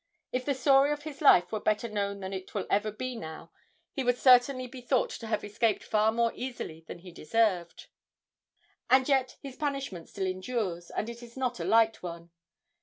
If the story of his life were better known than it will ever be now he would certainly be thought to have escaped far more easily than he deserved. And yet his punishment still endures, and it is not a light one.